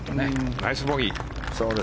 ナイスボギー！